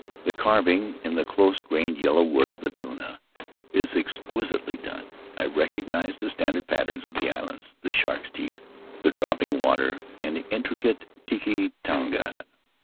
The carv ing — in the close grained yellow wood of the Pua — is exquisitely done; I recognized the standard patterns of the islands — the Shark's Teeth, the Dropping Water, and the intricate Tiki Tangata.